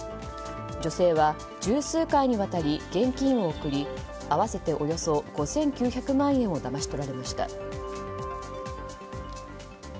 女性は十数回にわたり現金を送り合わせておよそ５９００万円をだまし取られました。